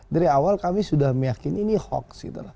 dari awal kami sudah meyakini ini hoax